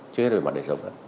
trước hết là về mặt đời sống